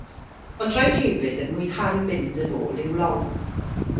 Ond roedd hefyd yn mwynhau mynd yn ôl i'w long.